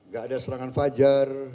gak ada serangan fajar